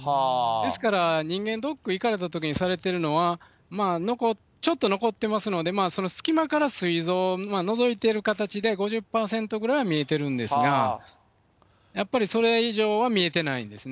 ですから、人間ドック行かれたときにされてるのは、ちょっと残ってますので、その隙間からすい臓をのぞいてる形で５０％ぐらいは見えてるんですが、やっぱりそれ以上は見えてないんですね。